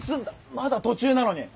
まだ途中なのに。